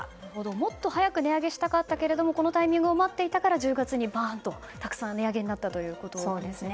もっと早く値上げしたかったけどこのタイミングを待っていたから１０月にバーンとたくさん値上げになったということですね。